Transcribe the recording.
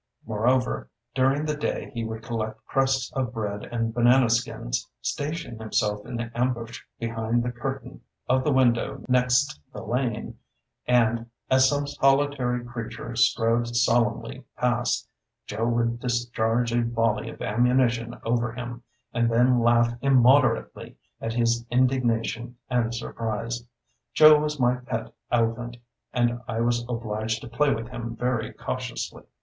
Moreover, during the day he would collect crusts of bread and banana skins, station himself in ambush behind the curtain of the window next the lane, and, as some solitary creature strode solemnly past, Joe would discharge a volley of ammunition over him, and then laugh immoderately at his indignation and surprise. Joe was my pet elephant, and I was obliged to play with him very cautiously.